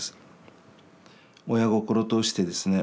親心としてですね